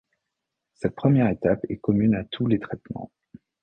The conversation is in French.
Cette première étape est commune à tous les traitements.